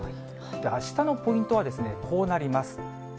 あしたのポイントはですね、こうなります。